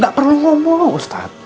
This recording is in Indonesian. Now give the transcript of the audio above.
gak perlu ngomong ustadz